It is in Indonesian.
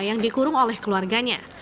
yang dikurung oleh keluarganya